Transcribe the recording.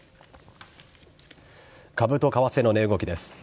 株と為替の値動きです。